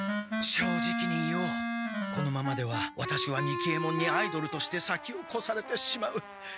正直に言おうこのままではワタシは三木ヱ門にアイドルとして先をこされてしまう。